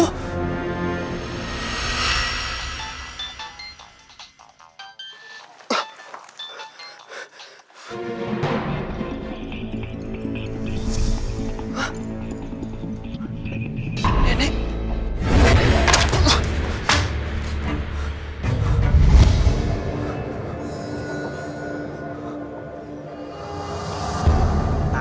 enggak enggak enggak enggak